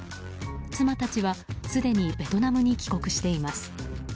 妻たちは、すでにベトナムに帰国しています。